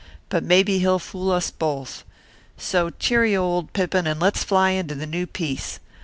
But maybe he'll fool us both. So cheerio, old Pippin! and let's fly into the new piece.